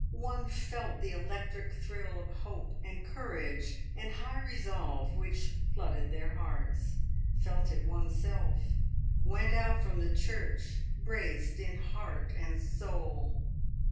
One felt the electric thrill of hope and courage and high resolve which, flooded their hearts; felt it oneself; went out from the church braced in heart and soul.